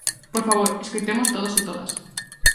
Por favor, escoitemos todos e todas.